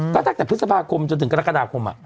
ก็ตั้งแต่พฤษภาคมจนถึงกรกฎาคม